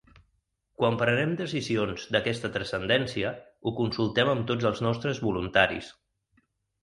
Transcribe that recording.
Quan prenem decisions d’aquesta transcendència ho consultem amb tots els nostres voluntaris.